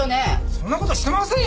そんな事してませんよ！